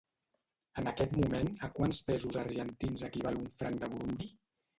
En aquest moment a quants pesos argentins equival un franc de Burundi?